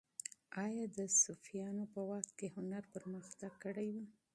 آیا د صفویانو په وخت کې هنر پرمختګ کړی و؟